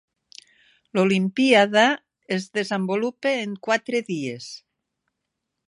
L'olimpíada es desenvolupa en quatre dies.